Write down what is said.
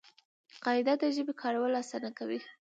قاعده د ژبي کارول آسانه کوي.